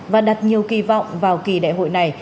và đặt nhiều kỳ vọng vào kỳ đại hội này